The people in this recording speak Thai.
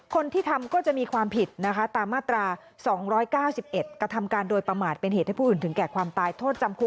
คนที่ทำก็จะมีความผิดนะคะตาม